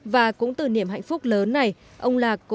và cũng từ niềm hạnh phúc lớn này ông lạc cũng tự hứa